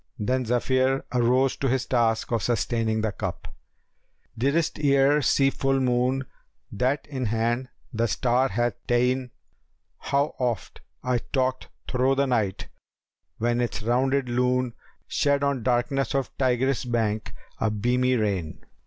Then Zephyr arose to his task of sustaining the cup: * Didst e'er see full Moon that in hand the star hath ta'en?[FN#283] How oft I talked thro' the night, when its rounded Lune * Shed on darkness of Tigris' bank a beamy rain!